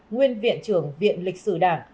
nguyên viện trưởng viện lịch sử đảng